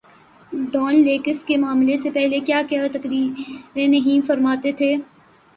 Dawn leaks کے معاملے سے پہلے کیا کیا تقریریں نہیں فرماتے تھے۔